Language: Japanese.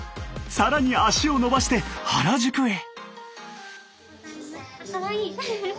更に足を延ばして原宿へ。